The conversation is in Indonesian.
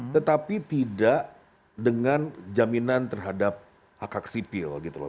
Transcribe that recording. tetapi tidak dengan jaminan terhadap hak hak sipil gitu loh